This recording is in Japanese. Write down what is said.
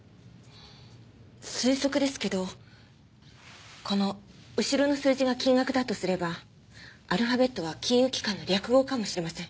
推測ですけどこの後ろの数字が金額だとすればアルファベットは金融機関の略号かもしれません。